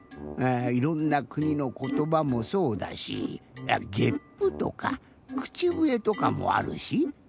いろんなくにのことばもそうだしゲップとかくちぶえとかもあるし。